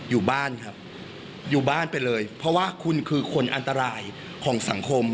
อยู่บ้านครับอยู่บ้านไปเลยเพราะว่าคุณคือคนอันตรายของสังคม